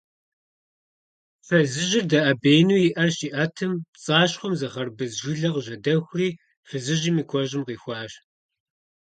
Фызыжьыр дэӀэбеину и Ӏэр щиӀэтым, пцӀащхъуэм зы хъэрбыз жылэ къыжьэдэхури фызыжьым и куэщӀыым къихуащ.